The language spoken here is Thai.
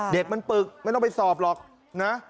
เด็กมันปึกไม่ต้องไปสอบหรอกนะ